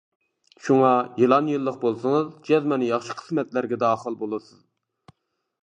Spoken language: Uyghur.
شۇڭا، يىلان يىللىق بولسىڭىز، جەزمەن ياخشى قىسمەتلەرگە داخىل بولىسىز.